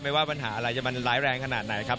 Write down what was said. ว่าปัญหาอะไรจะมันร้ายแรงขนาดไหนครับ